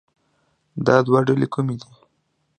دا دوه ډلې کومې دي